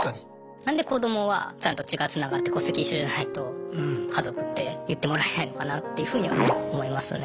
何で子どもはちゃんと血がつながって戸籍一緒じゃないと家族って言ってもらえないのかなっていうふうには思いますね。